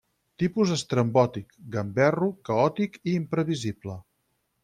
Tipus estrambòtic, gamberro, caòtic i imprevisible.